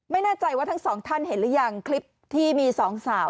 ไม่แน่ใจว่าทั้งสองท่านเห็นหรือยังคลิปที่มีสองสาว